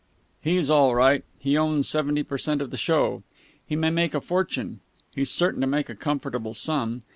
"He's all right. He owns seventy per cent of the show. He may make a fortune. He's certain to make a comfortable sum.